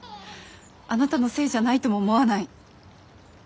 あなたのせいじゃないとも思わない。